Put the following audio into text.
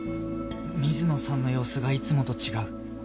水野さんの様子がいつもと違う